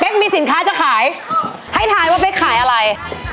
เบล็ดมีสินค้าจะขายให้ทายว่าไปขายอะไร